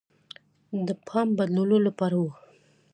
د پام بدلولو لپاره وه.